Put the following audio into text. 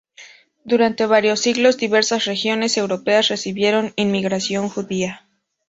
Durante varios siglos, diversas regiones europeas recibieron inmigración judía.